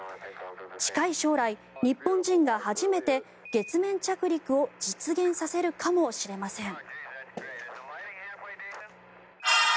近い将来、日本人が初めて月面着陸を実現させるかもしれません。